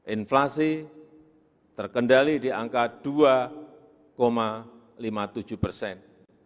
inflasi terkendali di angka dua lima puluh tujuh persen